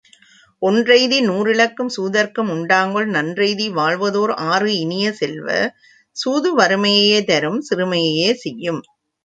ஒன்றெய்தி நூறிழக்கும் சூதர்க்கும் உண்டாங்கொல் நன்றெய்தி வாழ்வதோர் ஆறு இனிய செல்வ, சூது வறுமையையே தரும், சிறுமையே செய்யும்.